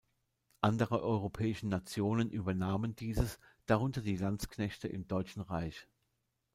Andere europäische Nationen übernahmen dieses, darunter die Landsknechte im deutschen Reich.